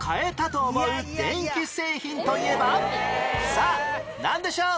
さあなんでしょう？